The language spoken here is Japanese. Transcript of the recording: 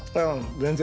全然。